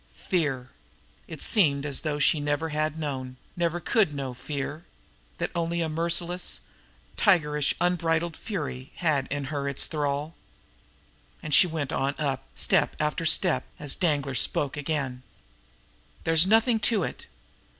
Fear! It seemed as though she never had known, never could know fear that only a merciless, tigerish, unbridled fury had her in its thrall. And she went on up, step after step, as Danglar spoke again: "There's nothing to it!